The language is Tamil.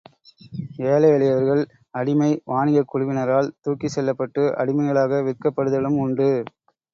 ஏழை எளியவர்கள் அடிமை வாணிகக் குழுவினரால் தூக்கிச்செல்லப்பட்டு, அடிமைகளாக விற்கப்படுதலும் உண்டு.